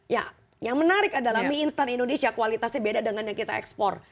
ya yang menarik adalah mie instan indonesia kualitasnya beda dengan yang kita ekspor